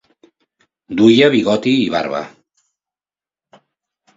Duia bigoti i barba.